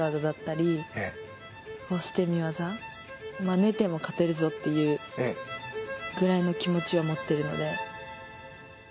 寝ても勝てるぞっていうぐらいの気持ちを持ってるので。